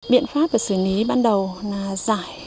biện pháp của xử lý ban đầu là giải